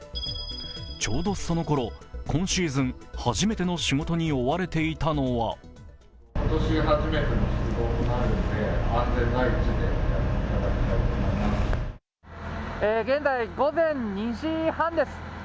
ちょうどその頃、今シーズン初めての仕事に追われていたのは現在、午前２時半です。